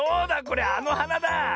これあのはなだあ。